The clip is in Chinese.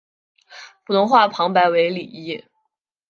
普通话旁白为李易。